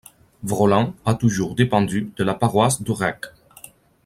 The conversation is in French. Vrolant a toujours dépendu de la paroisse de Recques.